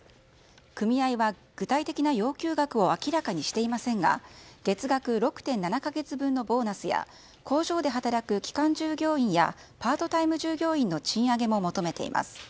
組合は具体的な要求額を明らかにしていませんが月額６．７か月分のボーナスや工場で働く期間従業員やパートタイム従業員の賃上げも求めています。